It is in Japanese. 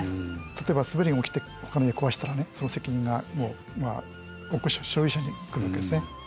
例えば滑りが起きてほかの家を壊したらその責任が所有者に来るわけですね。